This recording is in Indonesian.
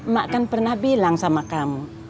mak kan pernah bilang sama kamu